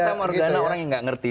fatah morgana orang yang tidak mengerti